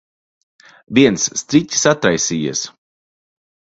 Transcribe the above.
Viens striķis atraisījies.